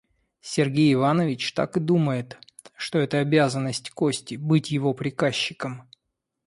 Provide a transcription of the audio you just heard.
Сергей Иванович так и думает, что это обязанность Кости — быть его приказчиком.